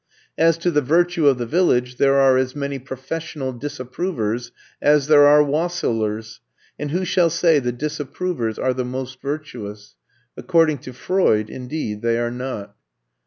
As to the virtue of the Village, there are as many Professional Disapprovers as there are Wassailers, and who shall say the Disapprovers are the most virtuous? According to Freud, indeed, they are not.